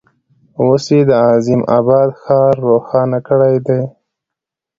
اوس یې د عظیم آباد ښار روښانه کړی دی.